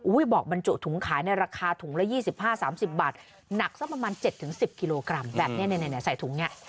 อุ้ยบอกมันเจาะถุงขายในราคาถุงละ๒๕๓๐บาทหนักซะประมาณ๗๑๐กิโลกรัมแบบเนี่ยใส่ถุงเนี่ย